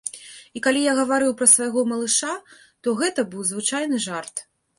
І калі я гаварыў пра свайго малыша, то гэта быў звычайны жарт.